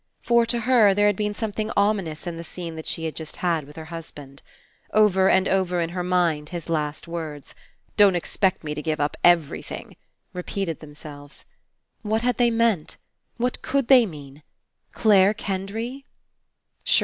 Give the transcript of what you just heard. For, to her, there had been something ominous in the scene that she had just had with her husband. Over and over in her mind his last words: "Don't expect me to give up everything," repeated themselves. What had they meant? What could they mean? Clare Kendry?